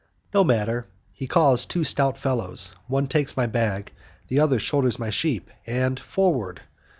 No matter! He calls two stout fellows, one takes my bag, the other shoulders my sheep, and forward!